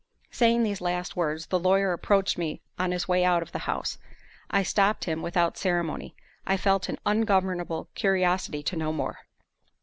Saying these last words, the lawyer approached me on his way out of the house. I stopped him without ceremony; I felt an ungovernable curiosity to know more.